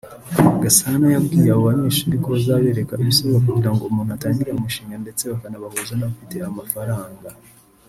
Gasana yabwiye abo banyeshuri ko bazabereka ibisabwa kugirango umuntu atangire umushinga ndetse bakanabahuza n’abafite amafaranga